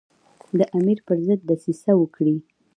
د امیر پر ضد دسیسه وکړي.